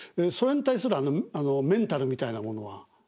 それに対するメンタルみたいなものは。